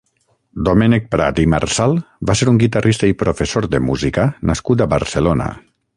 Domènec Prat i Marsal va ser un guitarrista i professor de música nascut a Barcelona.